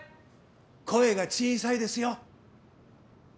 声が小さいですよ！